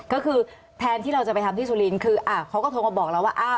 ก็คือแทนที่เราจะไปทำที่สุรินทร์คือเขาก็โทรมาบอกเราว่า